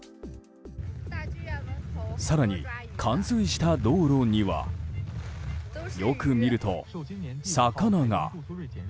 更に、冠水した道路にはよく見ると魚が。